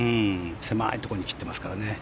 狭いところに切ってますからね。